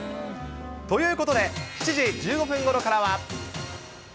ということで、７時１５分ごろからは。